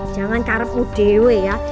jangan karep flashback ya